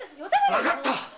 わかった！